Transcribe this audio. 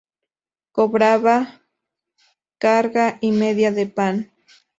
Cobraba carga y media de pan.